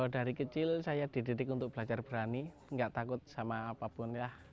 dari kecil saya dididik untuk belajar berani gak takut sama apapun ya